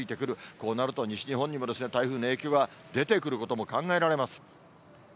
こうなると、西日本にも台風の影響が出てくることも考えられます。